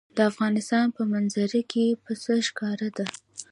د افغانستان په منظره کې پسه ښکاره ده.